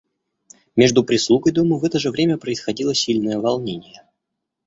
Между прислугой дома в это же время происходило сильное волнение.